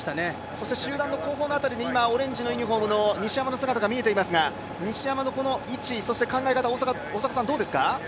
そして、集団の後方のところでオレンジのユニフォームの西山の姿が見えていますが西山の位置、そして考え方大迫さん、どうですか。